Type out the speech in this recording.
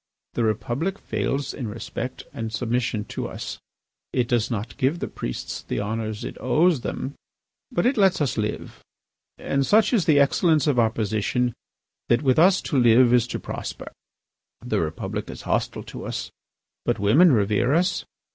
The Republic fails in respect and submission to us; it does not give the priests the honours it owes them. But it lets us live. And such is the excellence of our position that with us to live is to prosper. The Republic is hostile to us, but women revere us.